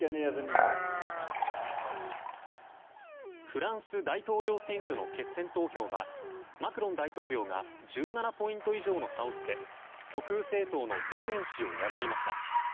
フランス大統領選挙の決選投票はマクロン大統領が１７ポイント以上の差をつけ極右政党のルペン氏を破りました。